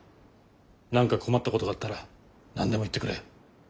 何か困ったことがあったら何でも言ってくれ。